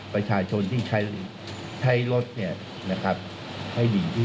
พอมันไม่ได้มาตรฐาน